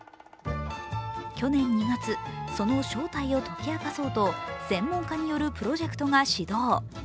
去年２月、その正体を解き明かそうと専門家によるプロジェクトが始動。